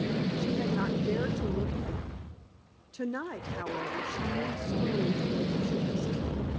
She had not dared to look at them! Tonight, however, she moved slowly toward the chest.